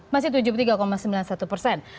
masih tujuh puluh tiga sembilan puluh satu persen